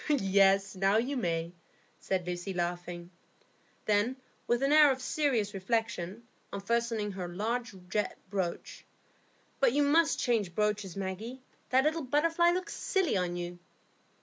"Yes, now you may," said Lucy, laughing. Then, with an air of serious reflection, unfastening her large jet brooch, "But you must change brooches, Maggie; that little butterfly looks silly on you."